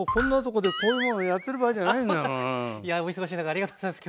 いやお忙しい中ありがとうございます今日は。